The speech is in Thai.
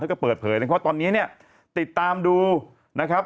แล้วก็เปิดเผยนะครับว่าตอนนี้เนี่ยติดตามดูนะครับ